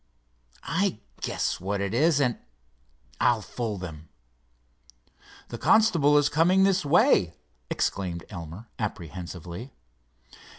I guess what it is and—I'll fool them." "The constable is coming this way!" exclaimed Elmer, apprehensively.